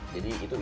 jadi itu aja